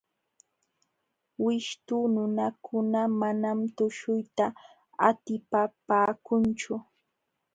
Wishtu nunakuna manam tuśhuyta atipapaakunchu.